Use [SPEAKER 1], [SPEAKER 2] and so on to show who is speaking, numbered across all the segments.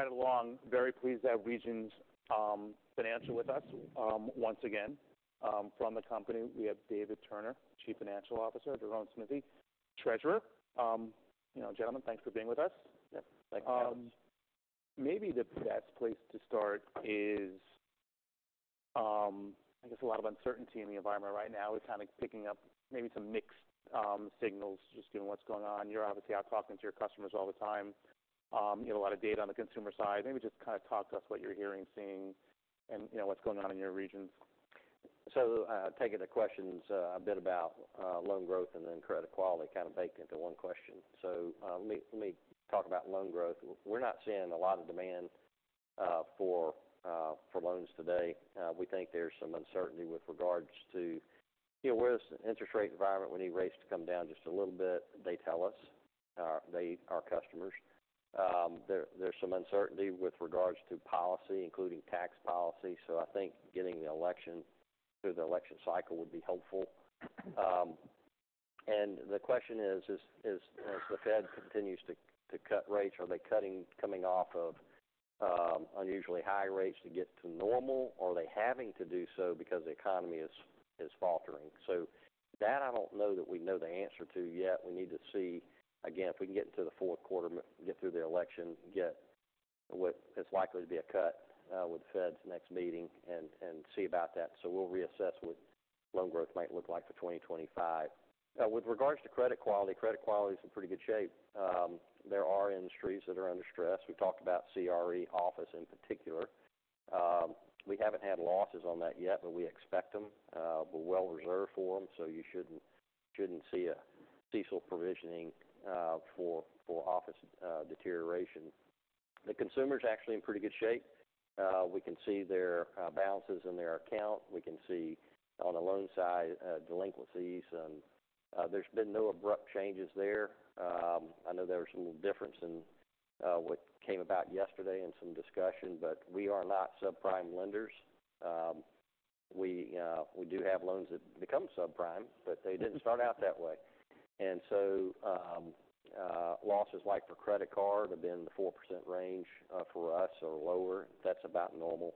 [SPEAKER 1] Moving right along, very pleased to have Regions Financial with us. Once again, from the company, we have David Turner, Chief Financial Officer, Deron Smithy, Treasurer. You know, gentlemen, thanks for being with us.
[SPEAKER 2] Yeah, thank you.
[SPEAKER 1] Maybe the best place to start is, I guess a lot of uncertainty in the environment right now. We're kind of picking up maybe some mixed signals just given what's going on. You're obviously out talking to your customers all the time. You have a lot of data on the consumer side. Maybe just kind of talk to us what you're hearing, seeing, and, you know, what's going on in your regions.
[SPEAKER 2] Taking the questions a bit about loan growth and then credit quality kind of baked into one question. So, let me talk about loan growth. We're not seeing a lot of demand for loans today. We think there's some uncertainty with regards to, you know, where's the interest rate environment. We need rates to come down just a little bit, they tell us, our customers. There's some uncertainty with regards to policy, including tax policy, so I think getting through the election cycle would be helpful. And the question is, as the Fed continues to cut rates, are they coming off of unusually high rates to get to normal, or are they having to do so because the economy is faltering? So that I don't know that we know the answer to yet. We need to see, again, if we can get into the Q4, get through the election, get what is likely to be a cut, with the Fed's next meeting and see about that. We'll reassess what loan growth might look like for 2025. With regards to credit quality, credit quality is in pretty good shape. There are industries that are under stress. We talked about CRE office in particular. We haven't had losses on that yet, but we expect them. We're well reserved for them, so you shouldn't see an increase of provisioning for office deterioration. The consumer's actually in pretty good shape. We can see their balances in their account. We can see on the loan side, delinquencies, and there's been no abrupt changes there. I know there was a little difference in what came about yesterday and some discussion, but we are not subprime lenders. We do have loans that become subprime, but they didn't start out that way. And so, losses like for credit card have been in the 4% range for us or lower. That's about normal.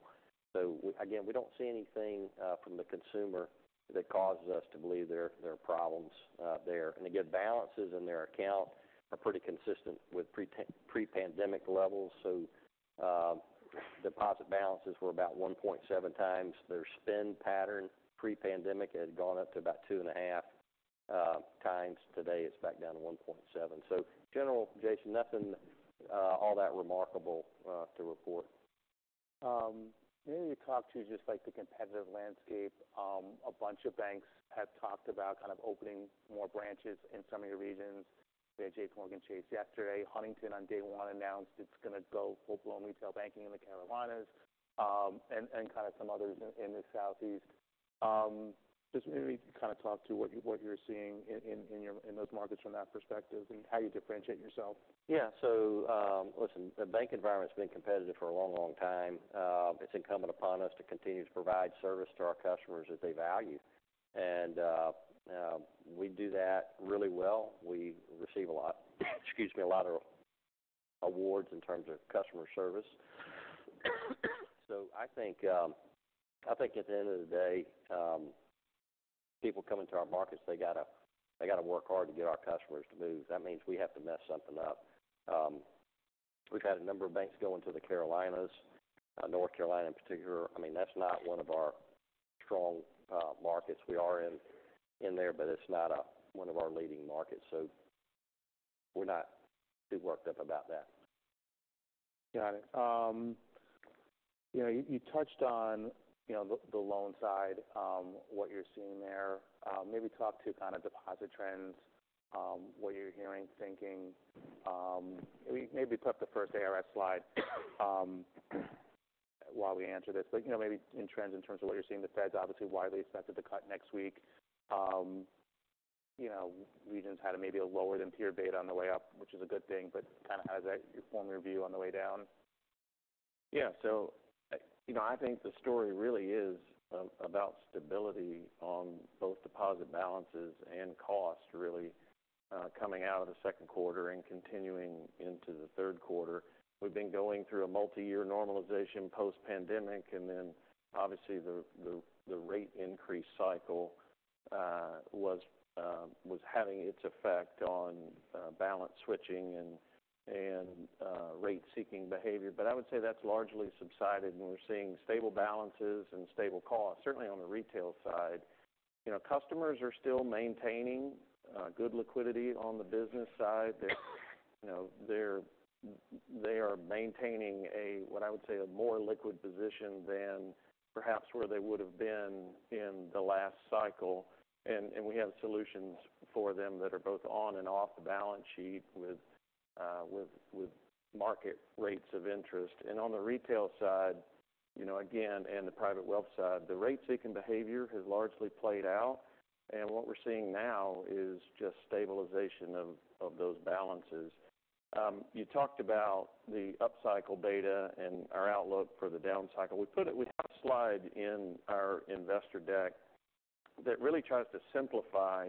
[SPEAKER 2] So again, we don't see anything from the consumer that causes us to believe there are problems there. And again, balances in their account are pretty consistent with pre-pandemic levels. So, deposit balances were about 1.7x their spend pattern. Pre-pandemic, it had gone up to about 2.5x. Today, it's back down to 1.7. So, generally, Jason, nothing all that remarkable to report.
[SPEAKER 1] Maybe talk to just like the competitive landscape. A bunch of banks have talked about kind of opening more branches in some of your regions. We had JPMorgan Chase yesterday. Huntington, on day one, announced it's going to go full-blown retail banking in the Carolinas, and kind of some others in the Southeast. Just maybe kind of talk to what you're seeing in those markets from that perspective and how you differentiate yourself.
[SPEAKER 2] Yeah. So, listen, the bank environment's been competitive for a long, long time. It's incumbent upon us to continue to provide service to our customers that they value, and we do that really well. We receive a lot, excuse me, a lot of awards in terms of customer service. So I think, I think at the end of the day, people come into our markets, they got to, they got to work hard to get our customers to move. That means we have to mess something up. We've had a number of banks go into the Carolinas, North Carolina in particular. I mean, that's not one of our strong markets. We are in there, but it's not one of our leading markets, so we're not too worked up about that.
[SPEAKER 1] Got it. You know, you touched on, you know, the loan side, what you're seeing there. Maybe talk to kind of deposit trends, what you're hearing, thinking. Maybe put up the first ARS slide, while we answer this, but, you know, maybe in trends in terms of what you're seeing, the Fed's obviously widely expected to cut next week. You know, Regions had maybe a lower than peer beta on the way up, which is a good thing, but kind of how does that form your view on the way down?
[SPEAKER 3] Yeah, so, you know, I think the story really is about stability on both deposit balances and costs, really, coming out of the Q2 and continuing into the Q3. We've been going through a multi-year normalization post-pandemic, and then obviously, the rate increase cycle was having its effect on balance switching and rate-seeking behavior. But I would say that's largely subsided, and we're seeing stable balances and stable costs. Certainly on the retail side, you know, customers are still maintaining good liquidity on the business side. They're, you know, they're, they are maintaining a, what I would say, a more liquid position than perhaps where they would have been in the last cycle. And we have solutions for them that are both on and off the balance sheet with market rates of interest. On the retail side, you know, again, and the private wealth side, the rate-seeking behavior has largely played out, and what we're seeing now is just stabilization of those balances. You talked about the upcycle beta and our outlook for the downcycle. We have a slide in our investor deck that really tries to simplify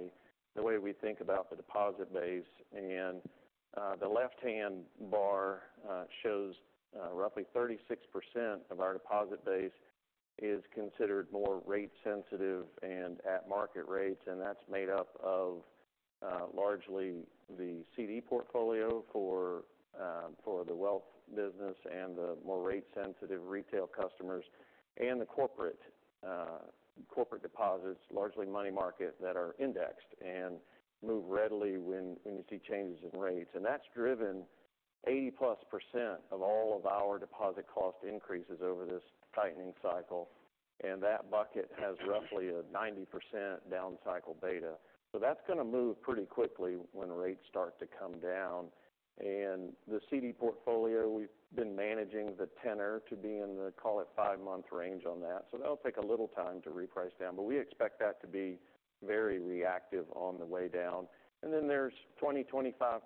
[SPEAKER 3] the way we think about the deposit base. The left-hand bar shows roughly 36% of our deposit base is considered more rate sensitive and at market rates, and that's made up of largely the CD portfolio for the wealth business and the more rate-sensitive retail customers, and the corporate deposits, largely money market, that are indexed and move readily when you see changes in rates. And that's driven +80% of all of our deposit cost increases over this tightening cycle, and that bucket has roughly a 90% down cycle beta. So that's gonna move pretty quickly when rates start to come down. And the CD portfolio, we've been managing the tenor to be in the, call it, five-month range on that. So that'll take a little time to reprice down, but we expect that to be very reactive on the way down. And then there's 20% to 25%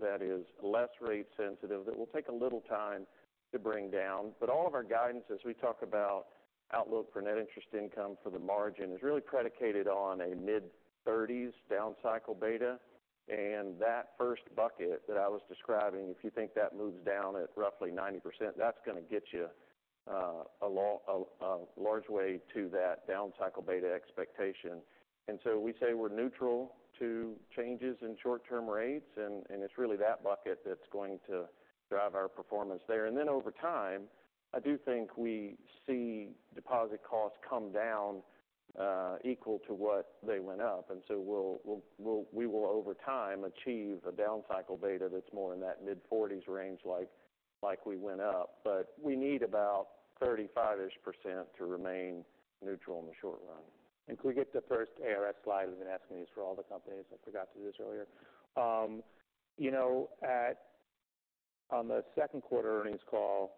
[SPEAKER 3] that is less rate sensitive, that will take a little time to bring down. But all of our guidance as we talk about outlook for net interest income for the margin, is really predicated on a mid-30s down cycle beta. And that first bucket that I was describing, if you think that moves down at roughly 90%, that's gonna get you a large way to that down cycle beta expectation. And so we say we're neutral to changes in short-term rates, and it's really that bucket that's going to drive our performance there. And then over time, I do think we see deposit costs come down equal to what they went up. And so we will, over time, achieve a down cycle beta that's more in that mid-40s range, like we went up. But we need about 35% ish to remain neutral in the short run.
[SPEAKER 1] Can we get the first ARS slide? We've been asking these for all the companies. I forgot to do this earlier. You know, on the Q2 earnings call,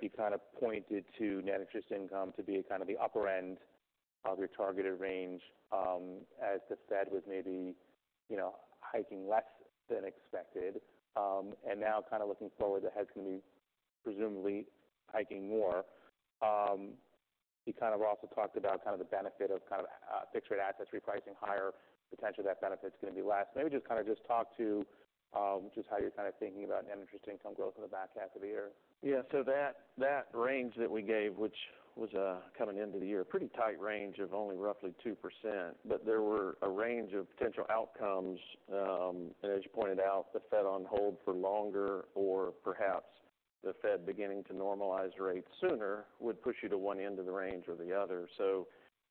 [SPEAKER 1] you kind of pointed to net interest income to be kind of the upper end of your targeted range, as the Fed was maybe, you know, hiking less than expected. Now kind of looking forward, the Fed's going to be presumably hiking more. You kind of also talked about kind of the benefit of kind of fixed rate assets repricing higher, potentially that benefit's gonna be less. Maybe just kind of just talk to just how you're kind of thinking about net interest income growth in the back half of the year.
[SPEAKER 3] Yeah. So that range that we gave, which was coming into the year, a pretty tight range of only roughly 2%, but there were a range of potential outcomes. And as you pointed out, the Fed on hold for longer, or perhaps the Fed beginning to normalize rates sooner, would push you to one end of the range or the other. So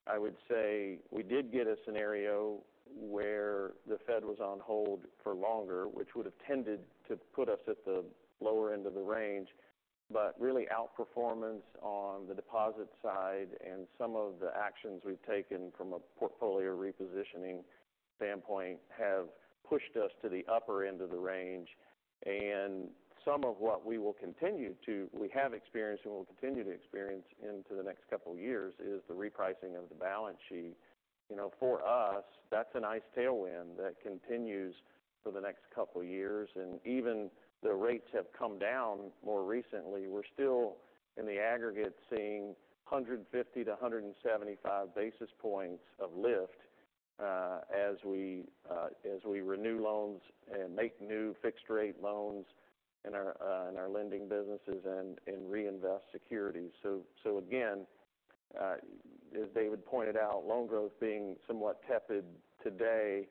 [SPEAKER 3] I would say we did get a scenario where the Fed was on hold for longer, which would have tended to put us at the lower end of the range. But really, outperformance on the deposit side and some of the actions we've taken from a portfolio repositioning standpoint have pushed us to the upper end of the range. And some of what we will continue to. We have experienced and will continue to experience into the next couple of years, is the repricing of the balance sheet. You know, for us, that's a nice tailwind that continues for the next couple of years. And even the rates have come down more recently, we're still, in the aggregate, seeing 150 to 175 basis points of lift, as we renew loans and make new fixed-rate loans in our lending businesses and reinvest securities. So again, as David pointed out, loan growth being somewhat tepid today,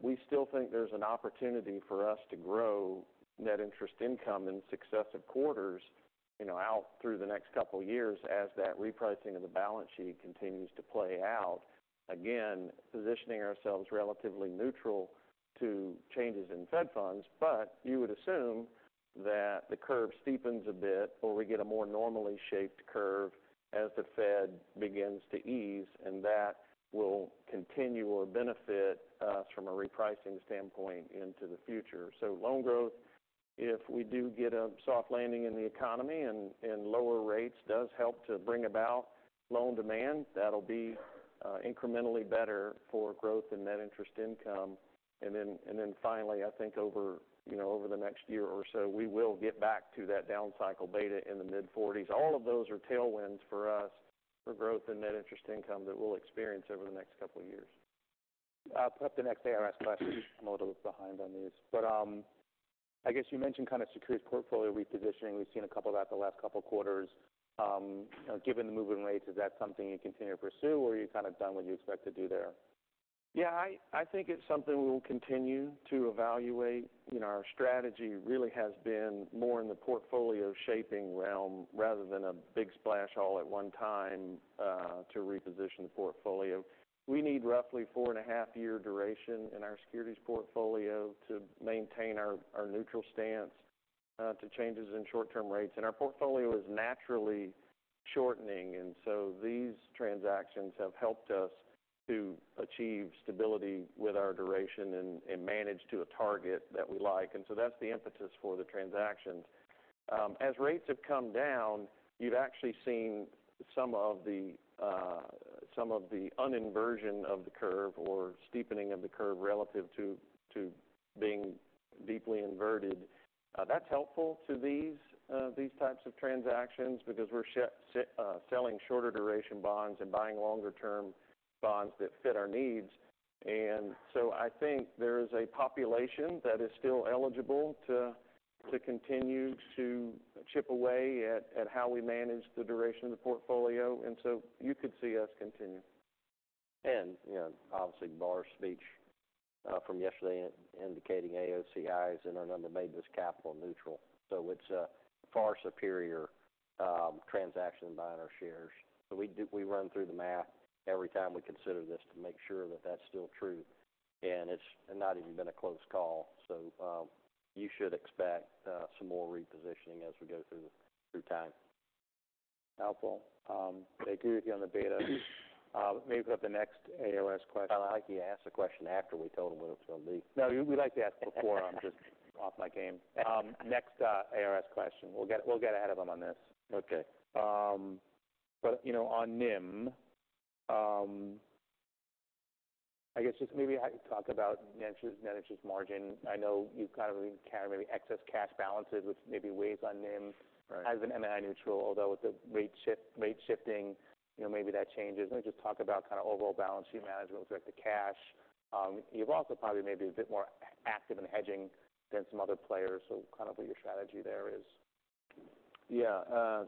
[SPEAKER 3] we still think there's an opportunity for us to grow net interest income in successive quarters, you know, out through the next couple of years as that repricing of the balance sheet continues to play out. Again, positioning ourselves relatively neutral to changes in Fed funds, but you would assume that the curve steepens a bit or we get a more normally shaped curve as the Fed begins to ease, and that will continue or benefit us from a repricing standpoint into the future, so loan growth, if we do get a soft landing in the economy and, and lower rates, does help to bring about loan demand. That'll be incrementally better for growth in net interest income, and then, and then finally, I think over, you know, over the next year or so, we will get back to that down cycle beta in the mid-40s. All of those are tailwinds for us for growth in net interest income that we'll experience over the next couple of years.
[SPEAKER 1] I'll put up the next ARS question. I'm a little behind on these, but I guess you mentioned kind of securities portfolio repositioning. We've seen a couple of those the last couple of quarters. Given the movement in rates, is that something you continue to pursue, or are you kind of done with what you expect to do there?
[SPEAKER 3] Yeah, I think it's something we'll continue to evaluate. You know, our strategy really has been more in the portfolio shaping realm rather than a big splash all at one time to reposition the portfolio. We need roughly four and a half year duration in our securities portfolio to maintain our neutral stance to changes in short-term rates, and our portfolio is naturally shortening. And so these transactions have helped us to achieve stability with our duration and manage to a target that we like. And so that's the emphasis for the transactions. As rates have come down, you've actually seen some of the uninversion of the curve or steepening of the curve relative to being deeply inverted. That's helpful to these types of transactions because we're selling shorter duration bonds and buying longer term bonds that fit our needs. And so I think there is a population that is still eligible to continue to chip away at how we manage the duration of the portfolio, and so you could see us continue.
[SPEAKER 2] You know, obviously, Barr's speech from yesterday indicating AOCI's are made this capital neutral. So it's a far superior transaction than buying our shares. So we run through the math every time we consider this to make sure that that's still true, and it's not even been a close call. So you should expect some more repositioning as we go through time.
[SPEAKER 1] Helpful. They agree with you on the beta. Maybe put the next ARS question.
[SPEAKER 2] I like you asked the question after we told them what it was going to be.
[SPEAKER 1] No, we like to ask before. I'm just off my game. Next, ARS question. We'll get ahead of them on this.
[SPEAKER 3] Okay.
[SPEAKER 1] You know, on NIM, I guess just maybe have you talk about net interest, net interest margin. I know you kind of carry maybe excess cash balances, which maybe weighs on NIM-
[SPEAKER 3] Right
[SPEAKER 1] As an NII neutral, although with the rate shift, rate shifting, you know, maybe that changes. Let me just talk about kind of overall balance sheet management with the cash. You've also probably maybe a bit more active in hedging than some other players. So kind of what your strategy there is?
[SPEAKER 3] Yeah,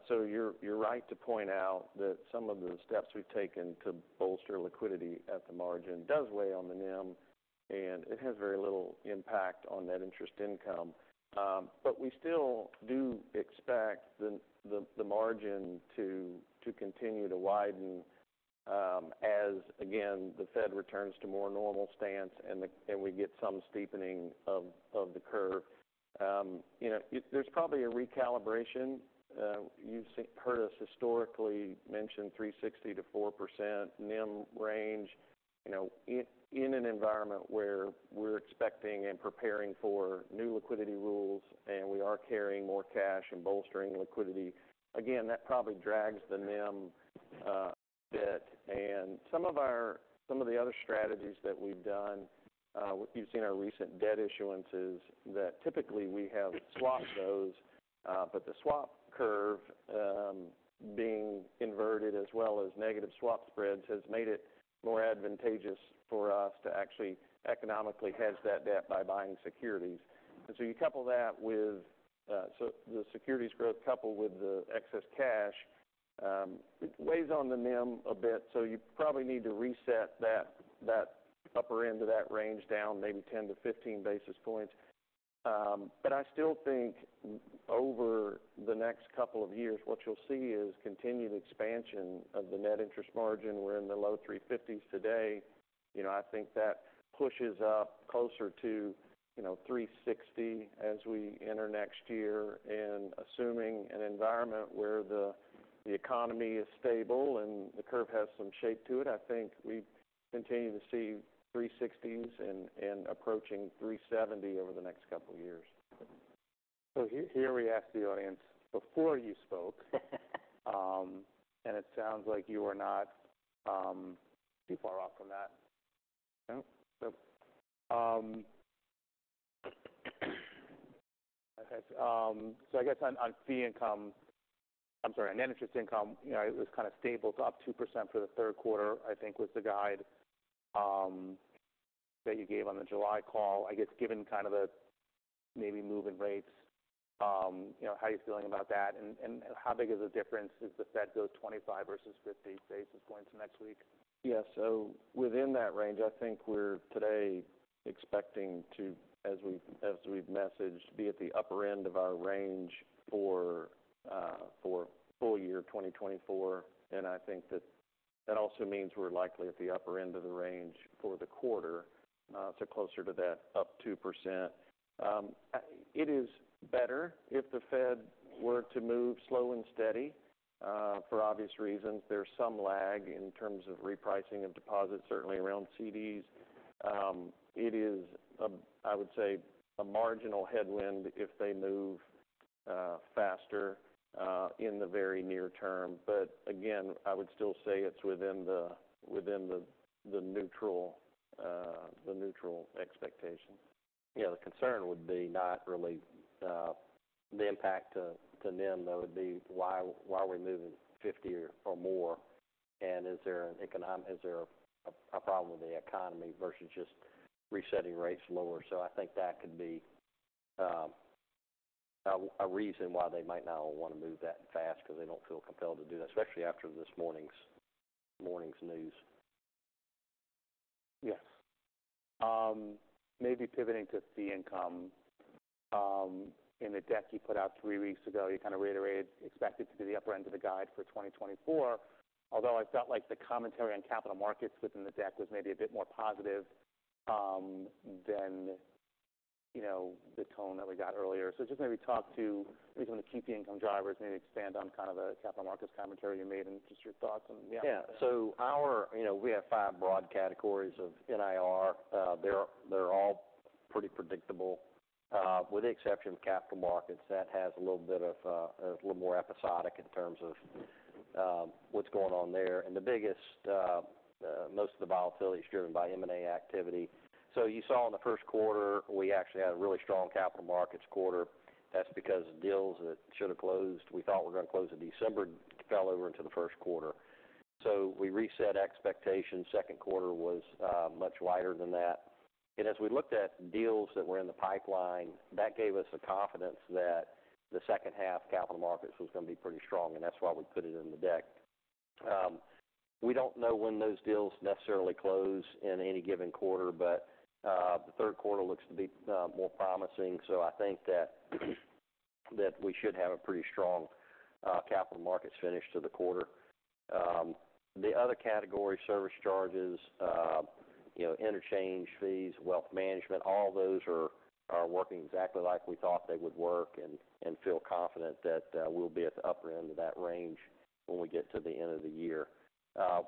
[SPEAKER 3] so you're right to point out that some of the steps we've taken to bolster liquidity at the margin does weigh on the NIM, and it has very little impact on net interest income. But we still do expect the margin to continue to widen, as again, the Fed returns to more normal stance and we get some steepening of the curve. You know, there's probably a recalibration. You've heard us historically mention 3.60% to 4% NIM range. You know, in an environment where we're expecting and preparing for new liquidity rules, and we are carrying more cash and bolstering liquidity, again, that probably drags the NIM a bit. Some of the other strategies that we've done. You've seen our recent debt issuances that typically we have swapped those, but the swap curve being inverted as well as negative swap spreads has made it more advantageous for us to actually economically hedge that debt by buying securities, and so you couple that with, so the securities growth coupled with the excess cash, it weighs on the NIM a bit, so you probably need to reset that upper end of that range down maybe 10 to 15 basis points, but I still think over the next couple of years, what you'll see is continued expansion of the net interest margin. We're in the 350s today. You know, I think that pushes up closer to, you know, 360 as we enter next year, and assuming an environment where the economy is stable and the curve has some shape to it, I think we continue to see 360s and approaching 370 over the next couple of years.
[SPEAKER 1] So here we asked the audience before you spoke, and it sounds like you are not too far off from that. No? So I guess on fee income - I'm sorry, on net interest income, you know, it was kind of stable. It's up 2% for the Q3, I think, was the guide that you gave on the July call. I guess, given kind of the maybe move in rates, you know, how are you feeling about that, and how big of a difference if the Fed goes 25 versus 50 basis points next week?
[SPEAKER 3] Yeah. So within that range, I think we're today expecting to, as we, as we've messaged, be at the upper end of our range for full year 2024. And I think that that also means we're likely at the upper end of the range for the quarter, so closer to that, up 2%. It is better if the Fed were to move slow and steady, for obvious reasons. There's some lag in terms of repricing of deposits, certainly around CDs. It is, I would say, a marginal headwind if they move faster, in the very near term. But again, I would still say it's within the neutral expectation.
[SPEAKER 2] Yeah, the concern would be not really the impact to NIM, though it would be why are we moving 50 or more? And is there a problem with the economy versus just resetting rates lower? So I think that could be a reason why they might not want to move that fast, because they don't feel compelled to do that, especially after this morning's news.
[SPEAKER 3] Yes.
[SPEAKER 1] Maybe pivoting to fee income. In the deck you put out three weeks ago, you kind of reiterated expected to be the upper end of the guide for 2024. Although I felt like the commentary on capital markets within the deck was maybe a bit more positive than, you know, the tone that we got earlier. So just maybe talk to recent fee income drivers, maybe expand on kind of the capital markets commentary you made and just your thoughts on.
[SPEAKER 2] Yeah. So our, you know, we have five broad categories of NIR. They're all pretty predictable with the exception of capital markets. That has a little bit of a little more episodic in terms of what's going on there. And the biggest most of the volatility is driven by M&A activity. So you saw in the Q1, we actually had a really strong capital markets quarter. That's because deals that should have closed, we thought were going to close in December, fell over into the Q1. So we reset expectations. Q2 was much lighter than that. And as we looked at deals that were in the pipeline, that gave us the confidence that the H2 capital markets was going to be pretty strong, and that's why we put it in the deck. We don't know when those deals necessarily close in any given quarter, but the Q3 looks to be more promising. So I think that we should have a pretty strong capital markets finish to the quarter. The other category, service charges, you know, interchange fees, wealth management, all those are working exactly like we thought they would work, and feel confident that we'll be at the upper end of that range when we get to the end of the year.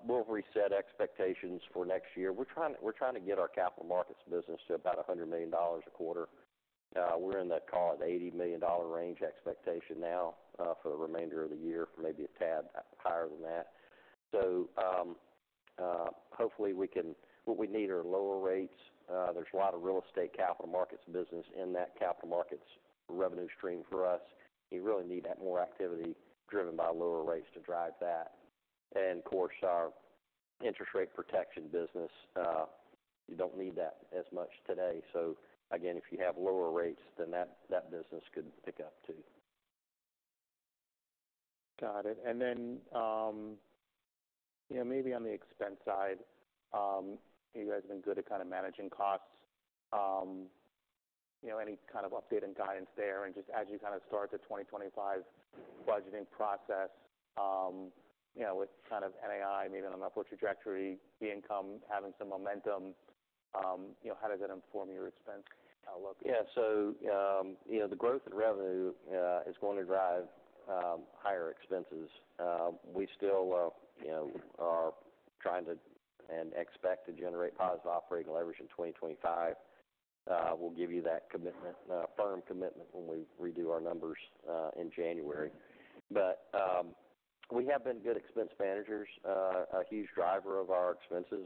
[SPEAKER 2] We'll reset expectations for next year. We're trying to get our capital markets business to about $100 million a quarter. We're in the call it $80 million range expectation now, for the remainder of the year, maybe a tad higher than that. So, hopefully, we can. What we need are lower rates. There's a lot of real estate capital markets business in that capital markets revenue stream for us. You really need to have more activity driven by lower rates to drive that. And of course, our interest rate protection business, you don't need that as much today. So again, if you have lower rates, then that business could pick up, too.
[SPEAKER 1] Got it. And then, you know, maybe on the expense side, you guys have been good at kind of managing costs. You know, any kind of update and guidance there? And just as you kind of start the 2025 budgeting process, you know, with kind of NII maybe on an upward trajectory, the income having some momentum, you know, how does that inform your expense outlook?
[SPEAKER 2] Yeah. So, you know, the growth in revenue is going to drive higher expenses. We still, you know, are trying to and expect to generate positive operating leverage in 2025. We'll give you that commitment, firm commitment when we redo our numbers in January. But, we have been good expense managers. A huge driver of our expenses,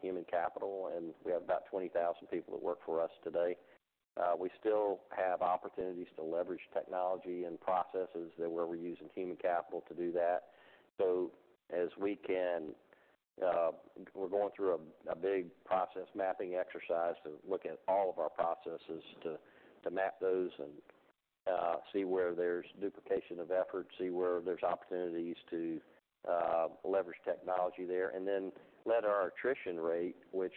[SPEAKER 2] human capital, and we have about 20,000 people that work for us today. We still have opportunities to leverage technology and processes that where we're using human capital to do that. So as we can, we're going through a big process mapping exercise to look at all of our processes to map those and see where there's duplication of effort, see where there's opportunities to leverage technology there. And then let our attrition rate, which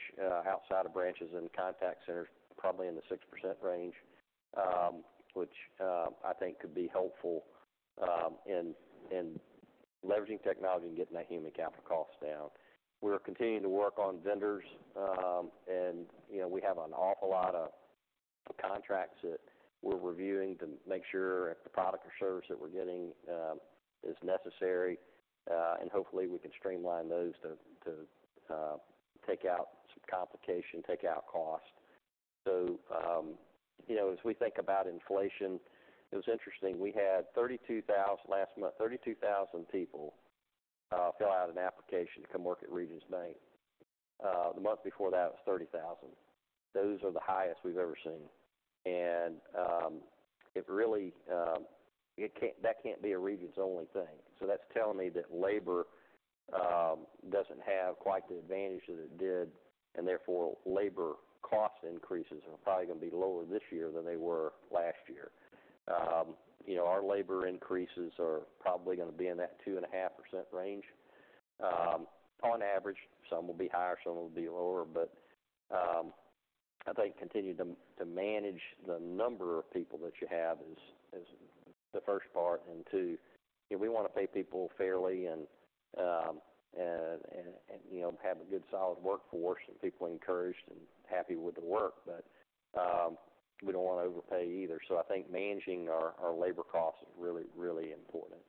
[SPEAKER 2] outside of branches and contact centers probably in the 6% range, which I think could be helpful in leveraging technology and getting that human capital costs down. We're continuing to work on vendors. And you know, we have an awful lot of contracts that we're reviewing to make sure if the product or service that we're getting is necessary, and hopefully we can streamline those to take out some complication, take out cost. So you know, as we think about inflation, it was interesting. We had 32,000 last month, 32,000 people fill out an application to come work at Regions Bank. The month before that was 30,000. Those are the highest we've ever seen. It really can't be a Regions-only thing. That's telling me that labor doesn't have quite the advantage that it did, and therefore, labor cost increases are probably going to be lower this year than they were last year. You know, our labor increases are probably going to be in that 2.5% range on average. Some will be higher, some will be lower. I think continuing to manage the number of people that you have is the first part. We want to pay people fairly and you know, have a good, solid workforce and people encouraged and happy with the work, but we don't want to overpay either. I think managing our labor costs is really, really important.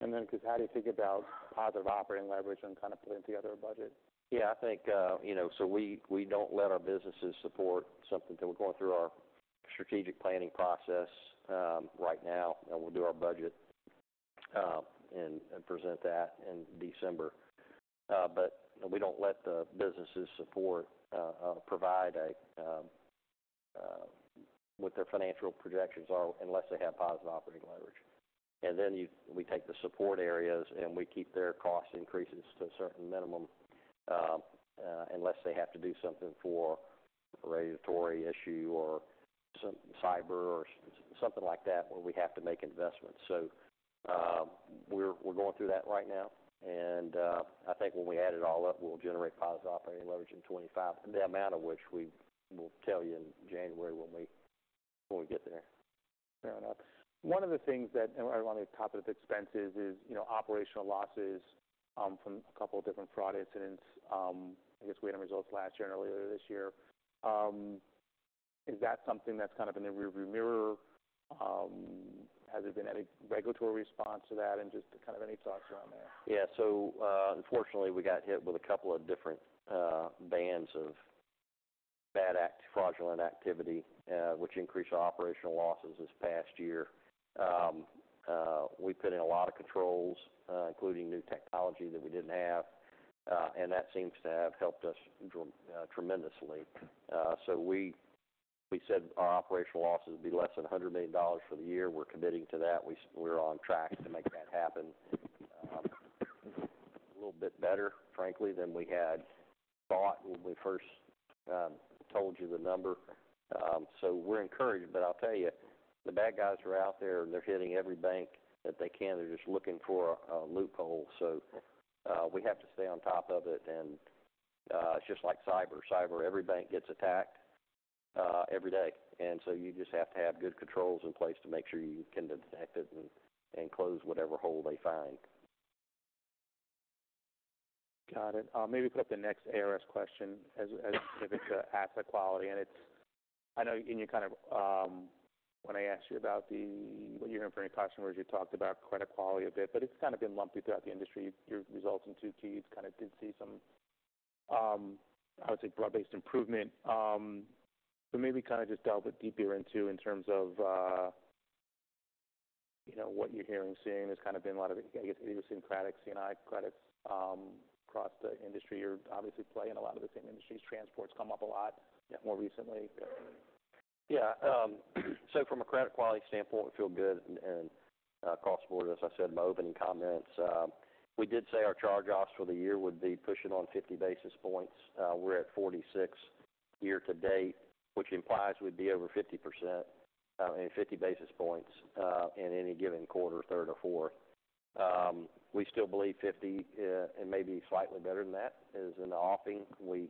[SPEAKER 1] And then, because how do you think about positive operating leverage and kind of putting together a budget?
[SPEAKER 2] Yeah, I think, you know, so we don't let our businesses support something that we're going through our strategic planning process right now, and we'll do our budget and present that in December. But we don't let the businesses support provide what their financial projections are unless they have positive operating leverage. And then we take the support areas, and we keep their cost increases to a certain minimum unless they have to do something for a regulatory issue or some cyber or something like that, where we have to make investments. So we're going through that right now, and I think when we add it all up, we'll generate positive operating leverage in 2025, the amount of which we will tell you in January, when we get there.
[SPEAKER 1] Fair enough. One of the things that, and I want to talk about the expenses is, you know, operational losses from a couple of different fraud incidents. I guess we had results last year and earlier this year. Is that something that's kind of in the rearview mirror? Has there been any regulatory response to that, and just kind of any thoughts around that?
[SPEAKER 2] Yeah. So unfortunately, we got hit with a couple of different bands of bad actor fraudulent activity, which increased our operational losses this past year. We put in a lot of controls, including new technology that we didn't have, and that seems to have helped us dramatically. So we said our operational losses would be less than $100 million for the year. We're committing to that. We're on track to make that happen. A little bit better, frankly, than we had thought when we first told you the number. So we're encouraged, but I'll tell you, the bad guys are out there, and they're hitting every bank that they can. They're just looking for a loophole, so we have to stay on top of it. It's just like cyber. Cyber, every bank gets attacked every day, and so you just have to have good controls in place to make sure you can detect it and close whatever hole they find.
[SPEAKER 1] Got it. Maybe put up the next ARS question as to asset quality, and it's. I know, and you kind of, when I asked you about the. When you're hearing from any customers, you talked about credit quality a bit, but it's kind of been lumpy throughout the industry. Your results in 2Q's kind of did see some, I would say, broad-based improvement. So maybe kind of just delve deeper into, in terms of, you know, what you're hearing and seeing has kind of been a lot of, I guess, idiosyncratic C&I credits, across the industry. You're obviously playing in a lot of the same industries. Transport's come up a lot more recently.
[SPEAKER 2] Yeah, so from a credit quality standpoint, we feel good and across the board, as I said in my opening comments, we did say our charge-offs for the year would be pushing on 50 basis points. We're at 46 year to date, which implies we'd be over 50%, in 50 basis points, in any given quarter, third or fourth. We still believe 50, and maybe slightly better than that is in the offing. We've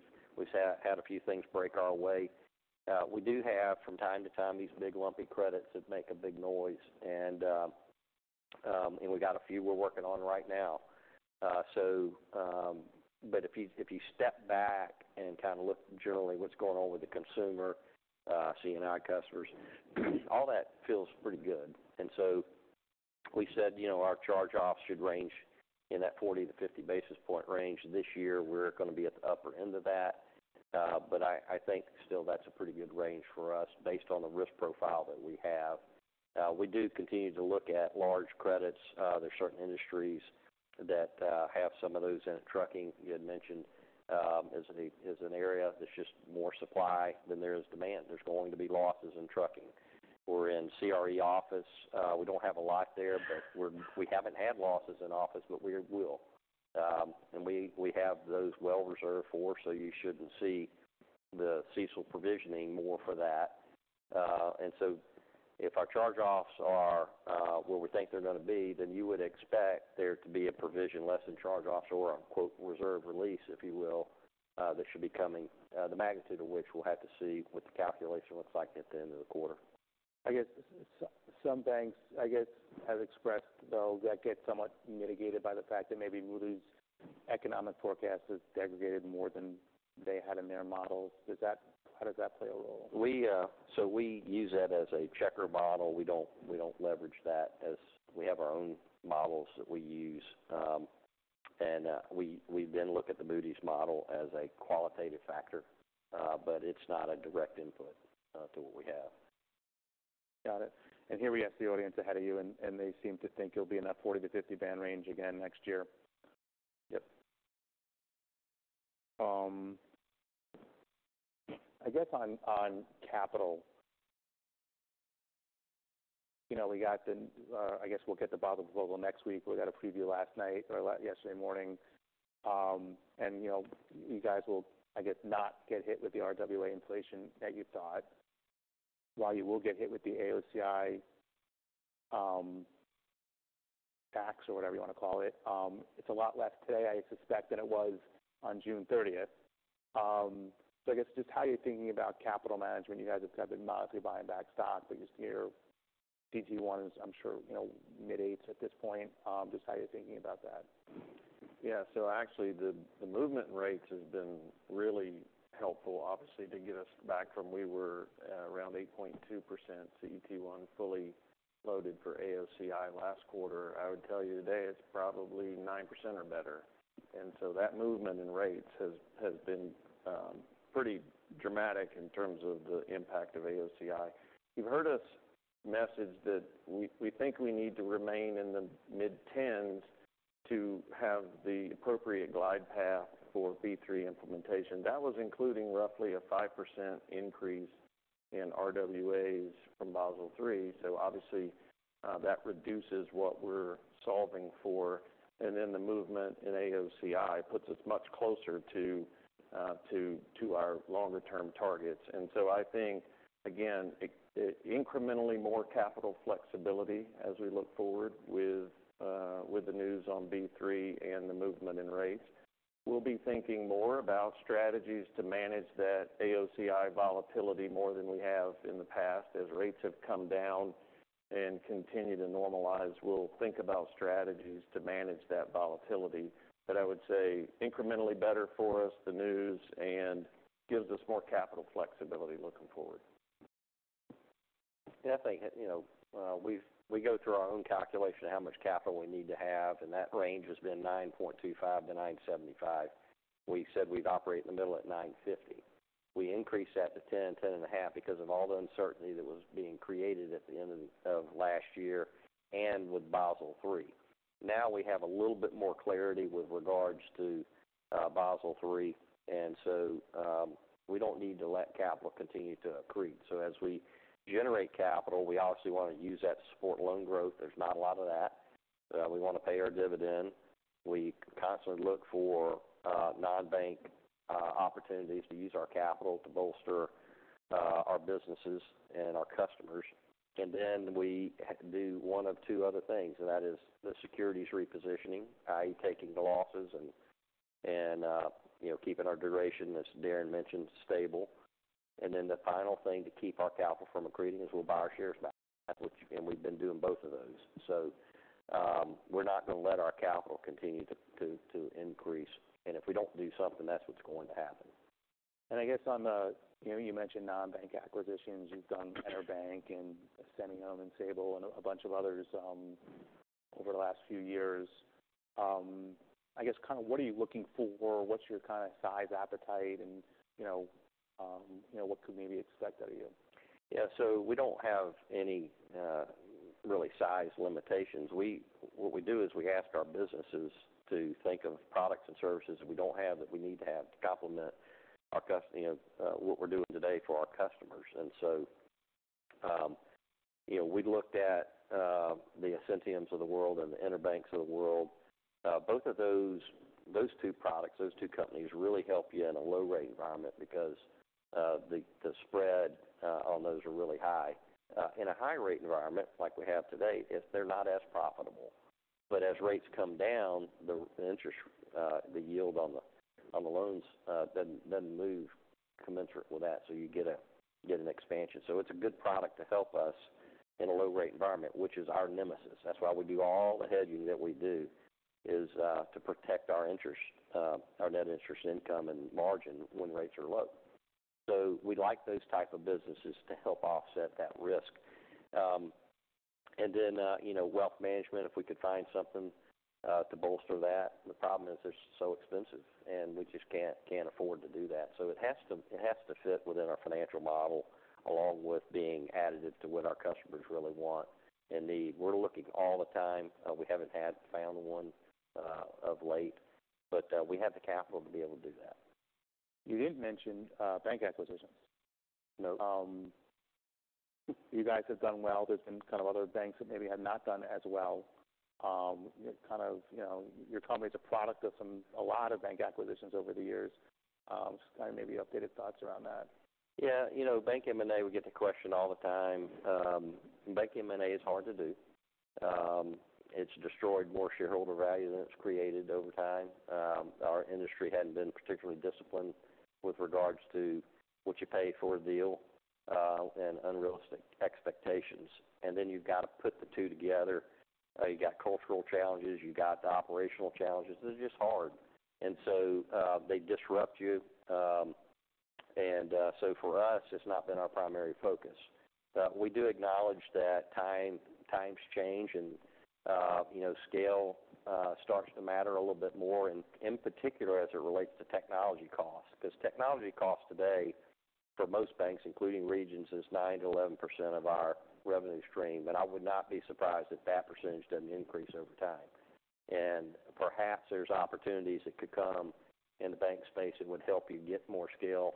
[SPEAKER 2] had a few things break our way. We do have, from time to time, these big, lumpy credits that make a big noise, and we got a few we're working on right now. If you step back and kind of look generally what's going on with the consumer, C&I customers, all that feels pretty good, and so we said, you know, our charge-offs should range in that 40 to 50 basis point range. This year, we're gonna be at the upper end of that, but I think still that's a pretty good range for us based on the risk profile that we have. We do continue to look at large credits. There's certain industries that have some of those in trucking, you had mentioned, as an area that's just more supply than there is demand. There's going to be losses in trucking, or in CRE office, we don't have a lot there, but we haven't had losses in office, but we will. And we have those well reserved for, so you shouldn't see the CECL provisioning more for that. And so if our charge-offs are where we think they're gonna be, then you would expect there to be a provision less than charge-offs or a quote, "reserve release," if you will, that should be coming. The magnitude of which we'll have to see what the calculation looks like at the end of the quarter.
[SPEAKER 1] I guess some banks, I guess, have expressed, though, that gets somewhat mitigated by the fact that maybe Moody's economic forecast has degraded more than they had in their models. How does that play a role?
[SPEAKER 2] We use that as a checker model. We don't leverage that as we have our own models that we use. We then look at the Moody's model as a qualitative factor, but it's not a direct input to what we have.
[SPEAKER 1] Got it. Here we ask the audience ahead of you, and they seem to think it'll be in that 40 to 50 band range again next year.
[SPEAKER 2] Yep.
[SPEAKER 1] I guess on capital, you know, we got the, I guess we'll get the Basel III next week. We got a preview last night or yesterday morning, and, you know, you guys will, I guess, not get hit with the RWA inflation that you thought. While you will get hit with the AOCI tax or whatever you want to call it, it's a lot less today, I suspect, than it was on June 30th, so I guess just how you're thinking about capital management, you guys have kind of been modestly buying back stock, but your CET1 is, I'm sure, you know, mid 80s at this point. Just how you're thinking about that?
[SPEAKER 3] Yeah. So actually, the movement in rates has been really helpful, obviously, to get us back from where we were, around 8.2% CET1, fully loaded for AOCI last quarter. I would tell you today, it's probably 9% or better. And so that movement in rates has been pretty dramatic in terms of the impact of AOCI. You've heard us message that we think we need to remain in the mid-10s to have the appropriate glide path for Basel III implementation. That was including roughly a 5% increase in RWAs from Basel III. So obviously, that reduces what we're solving for, and then the movement in AOCI puts us much closer to our longer-term targets. So I think, again, it incrementally more capital flexibility as we look forward with the news on B3 and the movement in rates. We'll be thinking more about strategies to manage that AOCI volatility more than we have in the past. As rates have come down and continue to normalize, we'll think about strategies to manage that volatility. But I would say incrementally better for us, the news, and gives us more capital flexibility looking forward.
[SPEAKER 2] Nothing, you know, we've we go through our own calculation of how much capital we need to have, and that range has been 9.25% to 9.75%. We said we'd operate in the middle at 9.50%. We increased that to 10% to 10.5%, because of all the uncertainty that was being created at the end of last year, and with Basel III. Now we have a little bit more clarity with regards to Basel III, and so we don't need to let capital continue to accrete. So as we generate capital, we obviously want to use that to support loan growth. There's not a lot of that. We want to pay our dividend. We constantly look for non-bank opportunities to use our capital to bolster our businesses and our customers. And then we have to do one of two other things, and that is the securities repositioning, i.e., taking the losses and you know, keeping our duration, as Deron mentioned, stable. And then the final thing to keep our capital from accreting is we'll buy our shares back, which and we've been doing both of those. So, we're not going to let our capital continue to increase. And if we don't do something, that's what's going to happen.
[SPEAKER 1] I guess on the, you know, you mentioned non-bank acquisitions. You've done EnerBank and Ascentium Capital and Sabal and a bunch of others over the last few years. I guess, kind of what are you looking for? What's your kind of size appetite, and, you know, what could we maybe expect out of you?
[SPEAKER 2] Yeah. So we don't have any really size limitations. What we do is we ask our businesses to think of products and services that we don't have, that we need to have to complement our customers, you know, what we're doing today for our customers. You know, we looked at the Ascentiums of the world and the EnerBanks of the world. Both of those two products, those two companies really help you in a low-rate environment because the spread on those are really high. In a high-rate environment, like we have today, if they're not as profitable, but as rates come down, the yield on the loans doesn't move commensurate with that, so you get an expansion. So it's a good product to help us in a low-rate environment, which is our nemesis. That's why we do all the hedging that we do, is to protect our interest, our net interest income and margin when rates are low. So we like those type of businesses to help offset that risk. And then, you know, wealth management, if we could find something to bolster that. The problem is they're so expensive, and we just can't afford to do that. So it has to fit within our financial model, along with being additive to what our customers really want and need. We're looking all the time. We haven't had found one of late, but we have the capital to be able to do that.
[SPEAKER 1] You did mention bank acquisitions.
[SPEAKER 2] Nope.
[SPEAKER 1] You guys have done well. There's been kind of other banks that maybe have not done as well. Kind of, you know, your company is a product of some, a lot of bank acquisitions over the years. Just kind of maybe updated thoughts around that.
[SPEAKER 2] Yeah. You know, bank M&A, we get the question all the time. Bank M&A is hard to do. It's destroyed more shareholder value than it's created over time. Our industry hadn't been particularly disciplined with regards to what you pay for a deal and unrealistic expectations. Then you've got to put the two together. You got cultural challenges, you got the operational challenges. They're just hard. So they disrupt you. So for us, it's not been our primary focus, but we do acknowledge that times change and you know, scale starts to matter a little bit more, in particular, as it relates to technology costs. Because technology costs today, for most banks, including Regions, is 9% to 11% of our revenue stream, and I would not be surprised if that percentage doesn't increase over time, and perhaps there's opportunities that could come in the bank space that would help you get more scale,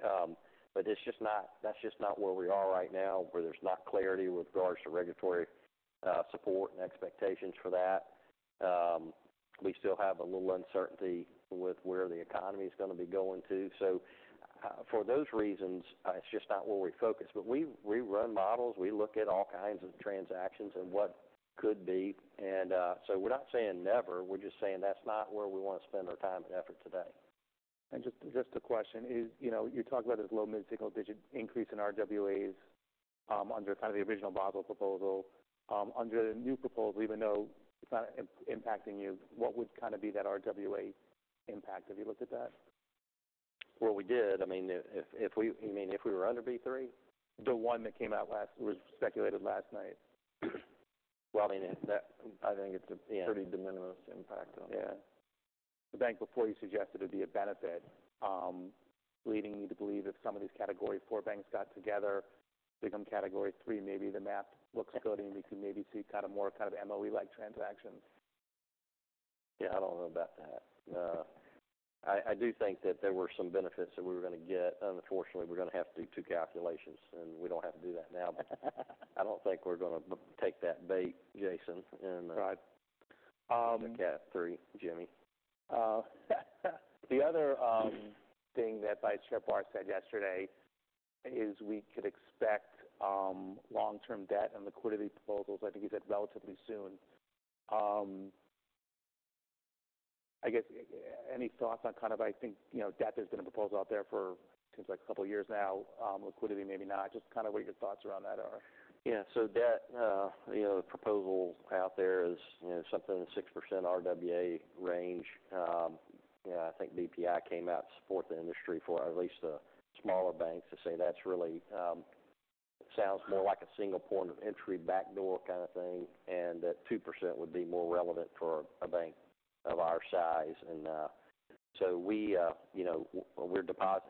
[SPEAKER 2] but it's just not, that's just not where we are right now, where there's not clarity with regards to regulatory support and expectations for that. We still have a little uncertainty with where the economy is going to be. For those reasons, it's just not where we focus, but we run models, we look at all kinds of transactions and what could be, and so we're not saying never, we're just saying that's not where we want to spend our time and effort today.
[SPEAKER 1] And just a question, you know, you talked about this low mid-single digit increase in RWAs under kind of the original Basel proposal. Under the new proposal, even though it's not impacting you, what would kind of be that RWA impact? Have you looked at that?
[SPEAKER 2] We did. I mean, if you mean if we were under B3?
[SPEAKER 1] The one that came out last was speculated last night.
[SPEAKER 2] Well, I mean, it's that a. I think it's a
[SPEAKER 1] Yeah
[SPEAKER 2] Pretty de minimis impact on it.
[SPEAKER 1] Yeah. The bank before you suggested it'd be a benefit, leading you to believe if some of these Category IV banks got together, become Category III, maybe the math looks good, and we could maybe see kind of more kind of MOE-like transactions.
[SPEAKER 2] Yeah, I don't know about that. I do think that there were some benefits that we were going to get. Unfortunately, we're going to have to do two calculations, and we don't have to do that now. But I don't think we're going to take that bait, Jason, and
[SPEAKER 1] Right. Um-
[SPEAKER 2] The Category III, Jimmy.
[SPEAKER 1] The other thing that Vice Chair Barr said yesterday is, we could expect long-term debt and liquidity proposals, I think he said, relatively soon. I guess any thoughts on kind of, I think, you know, debt has been a proposal out there for, seems like a couple of years now, liquidity, maybe not. Just kind of what your thoughts around that are?
[SPEAKER 2] Yeah, so that, you know, the proposal out there is, you know, something in the 6% RWA range. Yeah, I think BPI came out to support the industry for at least the smaller banks to say that really sounds more like a single point of entry, backdoor kind of thing, and that 2% would be more relevant for a bank of our size. And, so we, you know, we're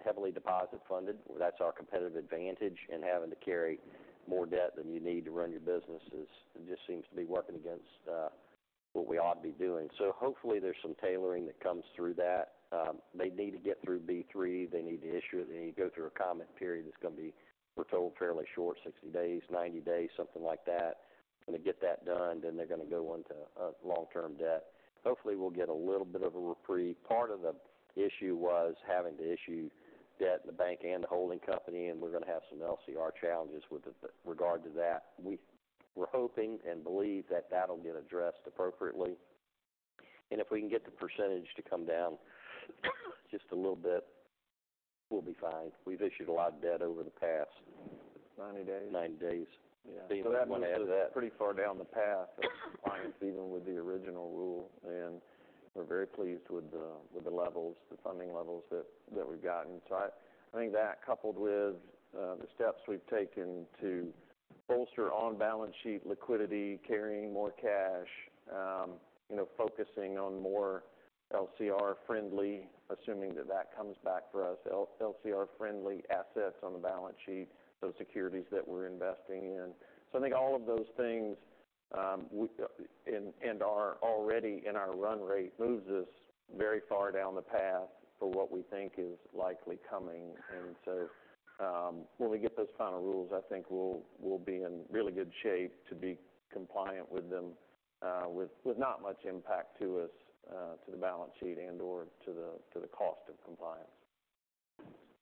[SPEAKER 2] heavily deposit-funded. That's our competitive advantage, and having to carry more debt than you need to run your business is just seems to be working against what we ought to be doing. So hopefully, there's some tailoring that comes through that. They need to get through B3. They need to issue it. They need to go through a comment period that's going to be, we're told, fairly short, 60 days, 90 days, something like that. When they get that done, then they're going to go on to long-term debt. Hopefully, we'll get a little bit of a reprieve. Part of the issue was having to issue debt in the bank and the holding company, and we're going to have some LCR challenges with regard to that. We're hoping and believe that that'll get addressed appropriately. And if we can get the percentage to come down just a little bit, we'll be fine. We've issued a lot of debt over the past.
[SPEAKER 3] 90 days.
[SPEAKER 2] 90 days.
[SPEAKER 3] Yeah.
[SPEAKER 2] Deron want to add to that. Pretty far down the path of compliance, even with the original rule, and we're very pleased with the levels, the funding levels that we've gotten. So I think that, coupled with the steps we've taken to bolster on balance sheet liquidity, carrying more cash, you know, focusing on more LCR-friendly, assuming that that comes back for us, LCR-friendly assets on the balance sheet, those securities that we're investing in. So I think all of those things, and are already in our run rate, moves us very far down the path for what we think is likely coming. And so, when we get those final rules, I think we'll be in really good shape to be compliant with them, with not much impact to us, to the balance sheet and/or to the cost of compliance.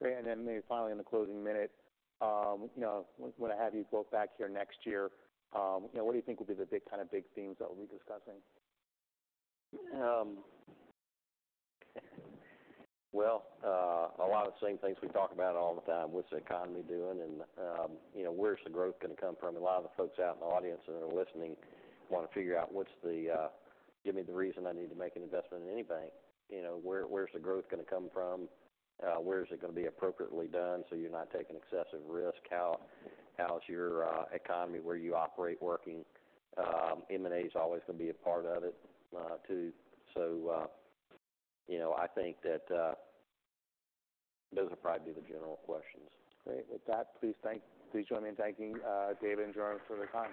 [SPEAKER 1] Great. And then finally, in the closing minute, you know, when I have you both back here next year, you know, what do you think will be the big kind of big themes that we'll be discussing?
[SPEAKER 2] Well, a lot of the same things we talk about all the time. What's the economy doing? And, you know, where's the growth going to come from? A lot of the folks out in the audience that are listening want to figure out what's the, give me the reason I need to make an investment in any bank. You know, where's the growth going to come from? Where is it going to be appropriately done, so you're not taking excessive risk? How is your economy, where you operate, working? M&A is always going to be a part of it, too. You know, I think that, those will probably be the general questions.
[SPEAKER 1] Great. With that, please join me in thanking David and Deron for their time.